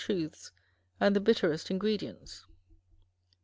truths and the bitterest ingredients.